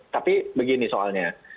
tapi begini soalnya